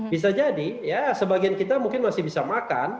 bisa jadi ya sebagian kita mungkin masih bisa makan